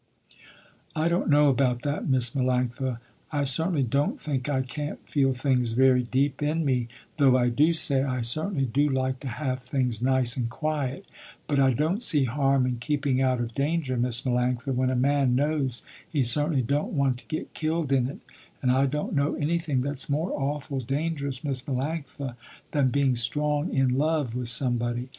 "I don't know about that Miss Melanctha, I certainly don't think I can't feel things very deep in me, though I do say I certainly do like to have things nice and quiet, but I don't see harm in keeping out of danger Miss Melanctha, when a man knows he certainly don't want to get killed in it, and I don't know anything that's more awful dangerous Miss Melanctha than being strong in love with somebody.